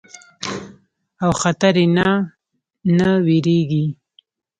او خطري نه نۀ ويريږي